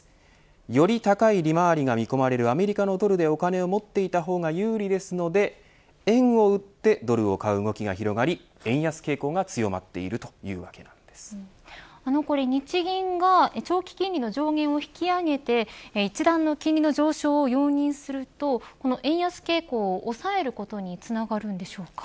より高い利回りが見込めるアメリカのドルでお金を持っていったほうが有利ですので、円を売ってドルを買う動きが広がり円安傾向が強まっている日銀が長期金利の上限を引き上げて一段の金利の上昇を容認すると円安傾向を抑えることにつながるんでしょうか。